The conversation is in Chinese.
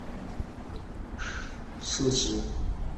提契诺鳄的四肢以垂直方式位于身体之下。